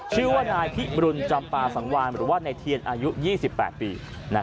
ชื่อว่านายพิบรุณจำปาสังวานหรือว่าในเทียนอายุ๒๘ปี